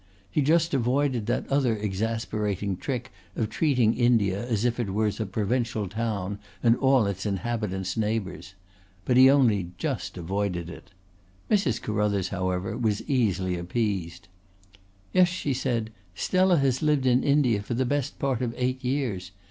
He just avoided that other exasperating trick of treating India as if it was a provincial town and all its inhabitants neighbours. But he only just avoided it. Mrs. Carruthers, however, was easily appeased. "Yes," she said. "Stella has lived in India for the best part of eight years.